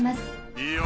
いいよ。